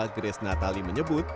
grace natali menyebut